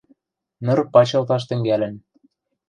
Ныр пачылташ тӹнгӓлӹн.